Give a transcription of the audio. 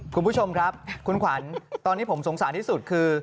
คุณผู้ชมครับคุณขวัญตอนนี้ผมสงสารที่สุดคือ